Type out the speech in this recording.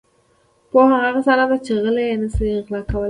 • پوهه هغه خزانه ده چې غله یې نشي غلا کولای.